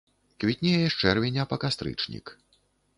Квітнее з чэрвеня па кастрычнік.